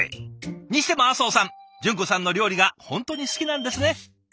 にしても阿相さん淳子さんの料理が本当に好きなんですね。